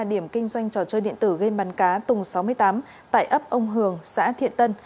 điểm kinh doanh trò chơi điện tử game bắn cá tùng sáu mươi tám tại ấp ông hường xã thiện tân